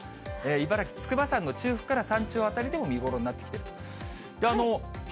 茨城・筑波山の中腹から山頂辺りでも見頃になってきている。